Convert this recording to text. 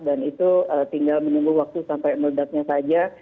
dan itu tinggal menunggu waktu sampai meledaknya saja